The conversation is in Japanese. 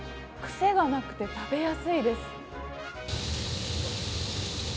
癖がなくて食べやすいです。